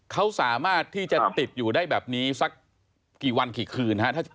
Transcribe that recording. เขาสามารถที่จะติดอยู่ได้แบบนี้สักกี่วันกี่คืนฮะ